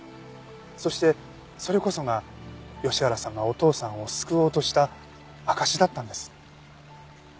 そしてそれこそが吉原さんがお父さんを救おうとした証しだったんです。